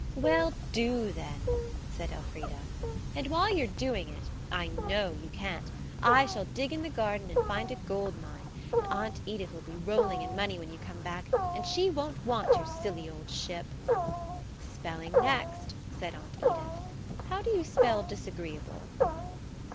"Well, do, then!" said Elfrida; "and while you're doing it–I know you can't–I shall dig in the garden and find a gold mine, and Aunt Edith will be rolling in money when you come back, and she won't want your silly old ship." "Spelling next," said Aunt Edith. "How do you spell 'disagreeable'?"